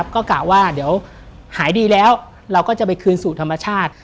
ก็กะว่าเดี๋ยวหายดีแล้วเราก็จะไปคืนสู่ธรรมชาติ